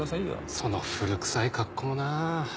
その古くさい格好もなあ。